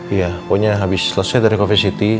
iya pokoknya habis selesai dari coffe city